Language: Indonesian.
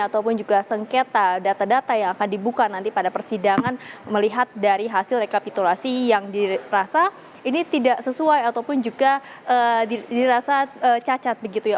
ataupun juga sengketa data data yang akan dibuka nanti pada persidangan melihat dari hasil rekapitulasi yang dirasa ini tidak sesuai ataupun juga dirasa cacat begitu ya